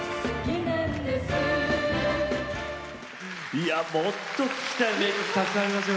いやもっと聴きたい名曲たくさんありますよね。